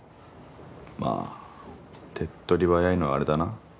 まあ手っとり早いのはあれだな。